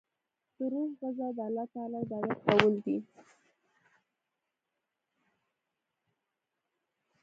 د روح غذا د الله تعالی عبادت کول دی.